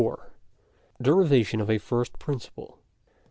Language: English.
DERIVATION OF A FIRST PRINCIPLE.